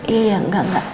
iya enggak enggak